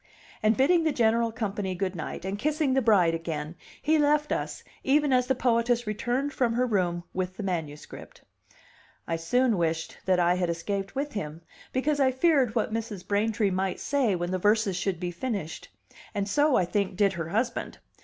And bidding the general company good night, and kissing the bride again, he left us even as the poetess returned from her room with the manuscript. I soon wished that I had escaped with him, because I feared what Mrs. Braintree might say when the verses should be finished; and so, I think, did her husband.